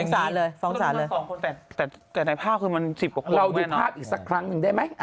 แต่ในภาพคือมัน๑๐กว่าคนแม่นอนเราดูภาพอีกสักครั้งหนึ่งได้ไหม